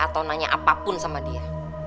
atau nanya apapun sama dia